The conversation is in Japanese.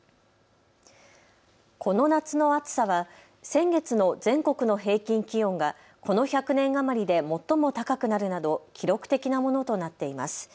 この夏の暑さは先月の全国の平均気温がこの１００年余りで最も高くなるなど記録的なものとなっています。